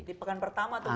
di pekan pertama tuh pak